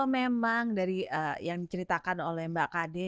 memang dari yang diceritakan oleh mbak kd